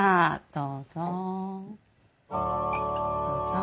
どうぞ。